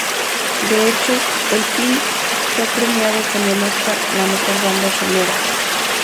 De hecho el film fue premiado con el "Óscar a la mejor banda sonora.